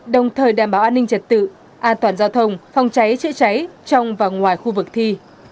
đồng thời đảm bảo an ninh trật tự an toàn giao thông phòng cháy chữa cháy trong và ngoài khu vực thi